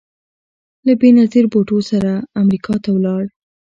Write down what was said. له بېنظیر بوټو سره امریکا ته ولاړ